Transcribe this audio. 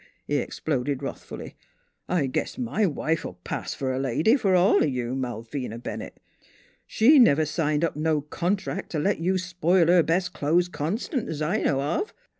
he exploded wrath fully. " I guess my wife '11 pass fer a lady, f'r all o' you, Malvina Bennett. She never signed up no contract t' let you spile her best clo'es constant, 't I know of."